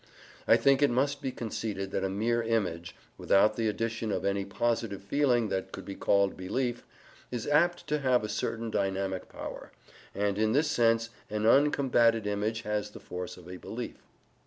I think it must be conceded that a mere image, without the addition of any positive feeling that could be called "belief," is apt to have a certain dynamic power, and in this sense an uncombated image has the force of a belief.